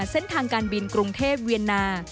เส้นทางการบินกรุงเทพเวียนนา